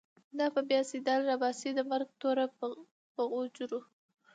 دا به بیا« سیدال» راباسی، د مرگ توره په غوجرو